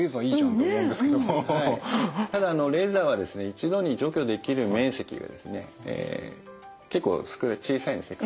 ただあのレーザーはですね一度に除去できる面積がですね結構小さいんですね。